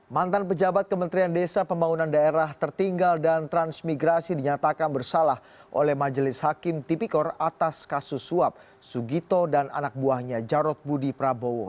mantan pejabat kementerian desa pembangunan daerah tertinggal dan transmigrasi dinyatakan bersalah oleh majelis hakim tipikor atas kasus suap sugito dan anak buahnya jarod budi prabowo